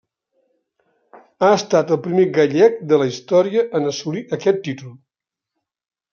Ha estat el primer gallec de la història en assolir aquest títol.